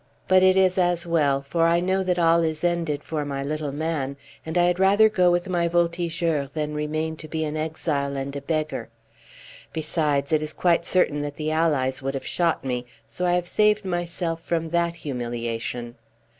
But it is as well, for I know that all is ended for my little man, and I had rather go with my Voltigeurs than remain to be an exile and a beggar. Besides, it is quite certain that the Allies would have shot me, so I have saved myself from that humiliation."